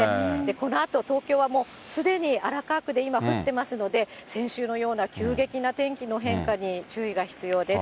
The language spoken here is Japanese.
このあと、東京はもう、すでに荒川区で今降ってますので、先週のような急激な天気の変化に注意が必要です。